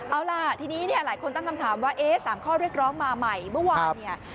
เอาล่ะทีนี้หลายคนต้องทำถามว่าสามข้อเรียกร้องมาใหม่เมื่อวาน